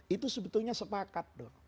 itu sebetulnya sepakat